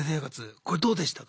これどうでしたか？